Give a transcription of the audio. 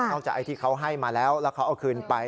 จากไอ้ที่เขาให้มาแล้วแล้วเขาเอาคืนไป